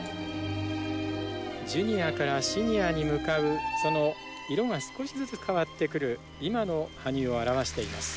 ジュニアからシニアに向かうその色が少しずつ変わってくる今の羽生を表しています。